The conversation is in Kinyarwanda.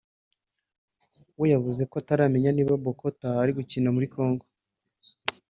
we yavuze ko bataramenya niba Bokota ari gukina muri Congo